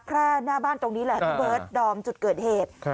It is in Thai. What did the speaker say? แค่หน้าบ้านตรงนี้แหละพี่เบิร์ดดอมจุดเกิดเหตุ